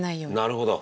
なるほど。